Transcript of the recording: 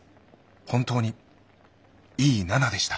本当にいい７でした。